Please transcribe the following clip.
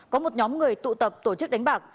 có một nhóm người tụ tập tổ chức đánh bạc